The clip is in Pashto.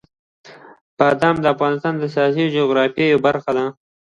بادام د افغانستان د سیاسي جغرافیې یوه برخه ده.